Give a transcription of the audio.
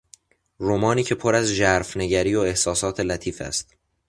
رمانی که پر از ژرفنگری و احساسات لطیف است